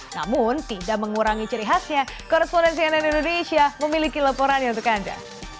namun tidak mengurangi ciri khasnya korespondensi nn indonesia memiliki laporannya untuk anda